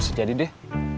masih jadi deh